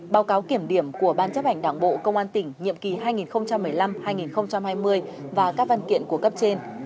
báo cáo kiểm điểm của ban chấp hành đảng bộ công an tỉnh nhiệm kỳ hai nghìn một mươi năm hai nghìn hai mươi và các văn kiện của cấp trên